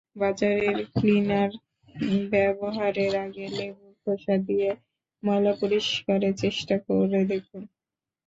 বাজারের ক্লিনার ব্যবহারের আগে লেবুর খোসা দিয়ে ময়লা পরিষ্কারের চেষ্টা করে দেখুন।